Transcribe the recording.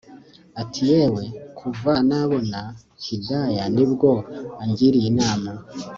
atiyewe kuva nabona Hidaya nibwo angiriye inama